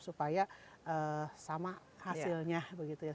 supaya sama hasilnya begitu ya